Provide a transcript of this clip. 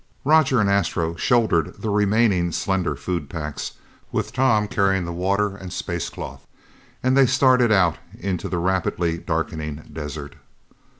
Roger and Astro shouldered the remaining slender food packs, with Tom carrying the water and space cloth, and they started out into the rapidly darkening desert.